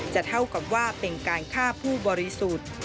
เท่ากับว่าเป็นการฆ่าผู้บริสุทธิ์